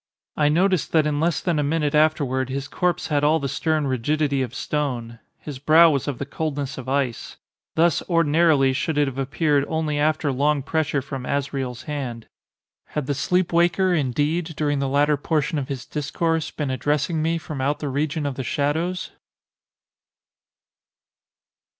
I noticed that in less than a minute afterward his corpse had all the stern rigidity of stone. His brow was of the coldness of ice. Thus, ordinarily, should it have appeared, only after long pressure from Azrael's hand. Had the sleep waker, indeed, during the latter portion of his discourse, been addressing me from out the region of the shadows?